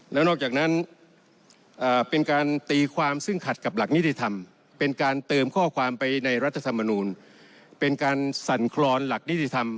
แล้วนอกจากนั้นเป็นการตีความซึ่งขัดกับหลักนิติธรรมเป็นการเติมข้อความไปในรัฐธรรมนูลเป็นการสั่นคลอนหลักนิติธรรม